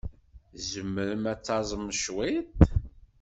Tzemrem ad taẓem cwiṭ?